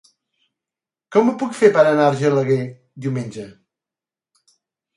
Com ho puc fer per anar a Argelaguer diumenge?